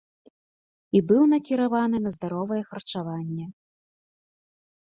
І быў накіраваны на здаровае харчаванне.